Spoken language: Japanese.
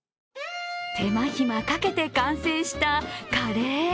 手間隙かけて完成したカレー。